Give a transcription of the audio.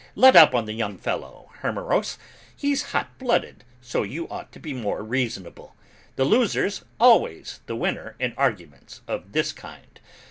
Let up on the young fellow, Hermeros, he's hot blooded, so you ought to be more reasonable. The loser's always the winner in arguments of this kind.